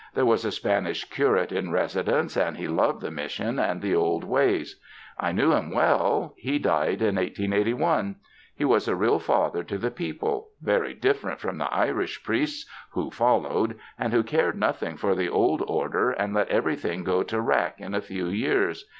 There was a Spanish curate in residence and he loved the Mission and the old ways. I knew him well — he died in 1881. He was a real father to the people — very different from the Irish priests who followed, and who cared nothing for the old order and let everything go to rack in a few years.